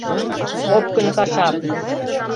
Опкын кашак!